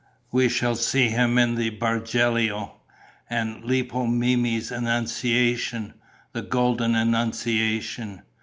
We shall see him in the Bargello. And Lippo Memmi's Annunciation, the golden Annunciation!